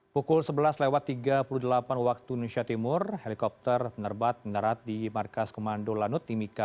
pukul sebelas tiga puluh delapan waktu indonesia timur helikopter penerbat mendarat di markas komando lanut timika